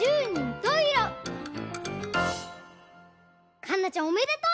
かんなちゃんおめでとう！